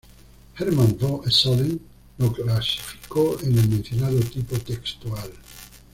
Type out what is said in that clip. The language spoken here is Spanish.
Hermann von Soden lo clasificó en el mencionado tipo textual.